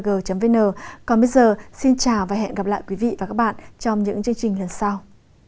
các hành vi bị cấm khi sử dụng lao động là người khuyết tật